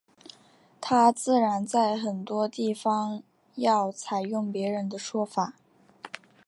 他自然在很多地方要采用别人的说法。